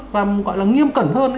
và gọi là nghiêm cẩn hơn